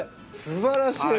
すばらしい。